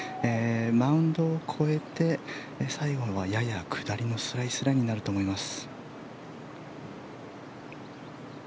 マウンドを越えて、最後はやや下りのスライスラインになると思います。